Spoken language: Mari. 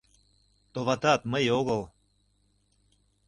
Товатат, мый огыл...